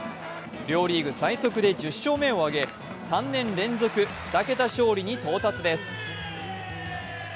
両リーグ最速で１０勝目を挙げ３年連続２桁勝利に到達です。